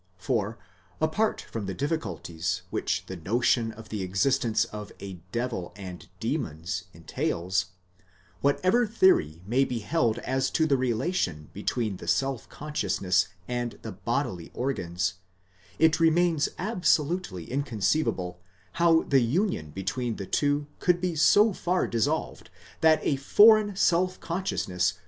| For—apart from the difficulties which the notion of the existence of a devil and demons entails—whatever theory may be held as to the relation between the self consciousness and the bodily organs, it remains absolutely inconceivable how the union between the two could be so far dissolved, that a foreign self consciousness could gain an 35.